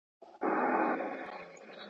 عوامو مجلس څنګه عصري کیږي؟